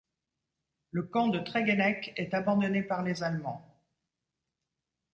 Le camp de Tréguennec est abandonné par les Allemands.